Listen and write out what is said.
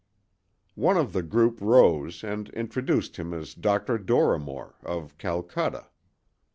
One of the group rose and introduced him as Dr. Dorrimore, of Calcutta.